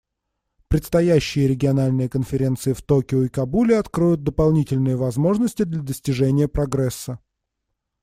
Предстоящие региональные конференции в Токио и Кабуле откроют дополнительные возможности для достижения прогресса.